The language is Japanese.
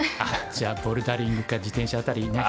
じゃあボルダリングか自転車辺りね。